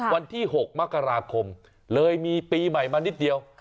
วันที่๖มกราคมเลยมีปีใหม่มานิดเดียว